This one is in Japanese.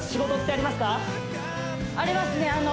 ありますね